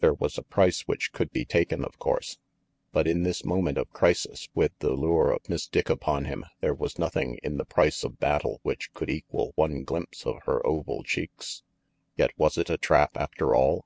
There was a price which could be taken, of course; but in this moment of crisis, with the lure of Miss Dick upon him, there was nothing in the price of battle which could equal one glimpse of her oval cheeks. Yet was it a trap after all?